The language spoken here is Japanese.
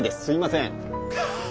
すいません！